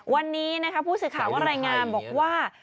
วันนี้ผู้สื่อข่าวก็รายงานบอกว่า